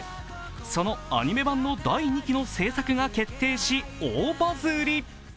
そのアニメ版の第２期の制作が決定し、大バズリ。